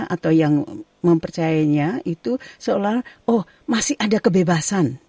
atau yang mempercayanya itu seolah olah masih ada kebebasan